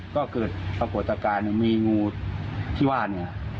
ก็คืนประกวัติการณ์มีงูที่ว่าน